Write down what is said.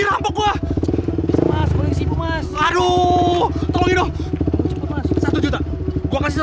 uruan ke markas ya